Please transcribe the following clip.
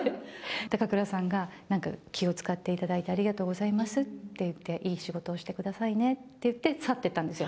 高倉さんが、なんか気を遣っていただいてありがとうございますって言って、いい仕事をしてくださいねって言って、去ってったんですよ。